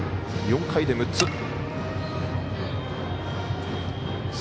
４回で６つ。